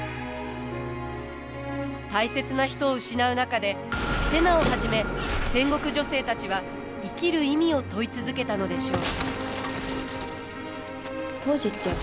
大切な人を失う中で瀬名をはじめ戦国女性たちは生きる意味を問い続けたのでしょう。